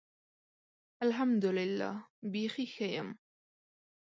الحمدالله. بیخي ښۀ یم.